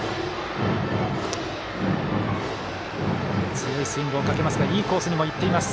強いスイングをかけますがいいコースにもいっています。